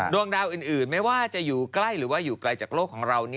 ดวงดาวอื่นไม่ว่าจะอยู่ใกล้หรือว่าอยู่ไกลจากโลกของเรา